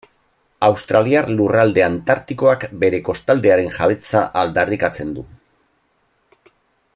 Australiar Lurralde Antartikoak bere kostaldearen jabetza aldarrikatzen du.